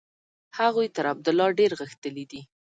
هغوی تر عبدالله ډېر غښتلي دي.